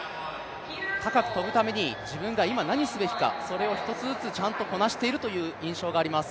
高く跳ぶために自分が今何をすべきか、それを一つずつちゃんとこなしているという印象があります。